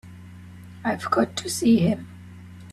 I've got to see him.